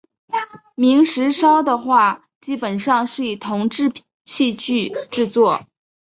明石烧的话基本上是以铜制器具制作。